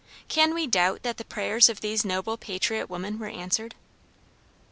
Can we doubt that the prayers of these noble patriot women were answered?